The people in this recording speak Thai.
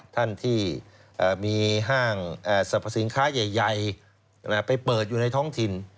ท่านที่มีห้างสรรพสินค้าใหญ่ไปเปิดอยู่ในท้องถิ่น